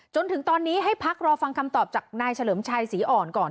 จนถึงตอนนี้ให้พักรอฟังคำตอบจากนายเฉลิมชัยศรีอ่อนก่อน